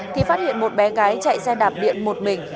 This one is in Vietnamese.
thì phát hiện một bé gái chạy xe đạp điện một mình